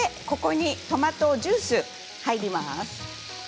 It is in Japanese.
ここにトマトジュースが入ります。